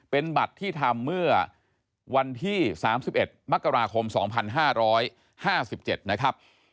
เป็นบัตรที่ทำเมื่อวันที่๓๑มกราคม๒๕๕๗นะครับ